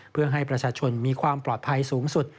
เพื่อให้ประชาชนมีความปลอดภัยสูงสุด